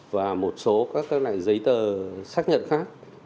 và một số các loại giấy tờ xác nhận khác